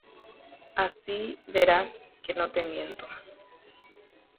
péicha rehechakuaáta ndachejapuiha